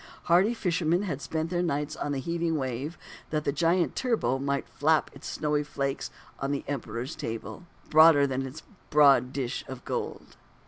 Hardy fishermen had spent their nights on the heaving wave, that the giant turbot might flap its snowy flakes on the Emperor's table, broader than its broad dish of gold.